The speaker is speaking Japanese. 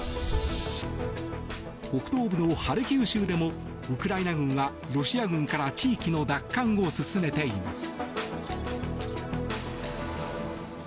北東部のハルキウ州でもウクライナ軍はロシア軍から地域の奪還を進めています。